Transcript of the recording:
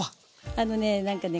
あのね何かね